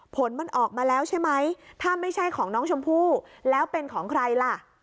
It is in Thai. ผลมันออกมาแล้วใช่ไหมถ้าไม่ใช่ของน้องชมพู่แล้วเป็นของใครล่ะ